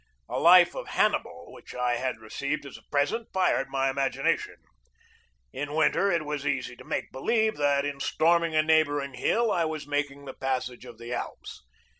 A life of Hannibal which I had received as a present fired my imagination. In winter it was easy to make believe that in storming a neighboring hill I was making the passage of the Alps.